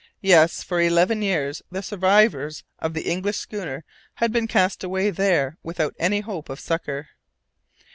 Yes! for eleven years, the survivors of the English schooner had been cast away there without any hope of succour.